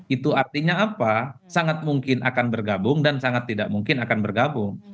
itu artinya apa sangat mungkin akan bergabung dan sangat tidak mungkin akan bergabung